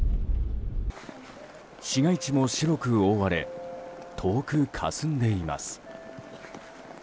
市街地も白く覆われ遠くかすんでいます。